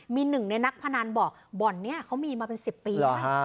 มีหนึ่งในนักพนันบอกบ่อนเนี้ยเขามีมาเป็นสิบปีไหมหรอฮะ